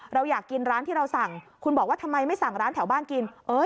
เราอยากกินร้านที่เราสั่งคุณบอกว่าทำไมไม่สั่งร้านแถวบ้านกิน